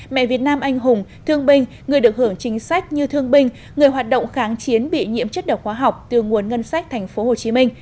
mẹ việt nam anh hùng thương bình người được hưởng chính sách như thương bình người hoạt động kháng chiến bị nhiễm chất đỏ khoa học từ nguồn ngân sách tp hcm